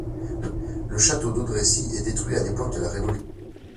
Le château d'Haudrecy est détruit à l’époque de la Révolution.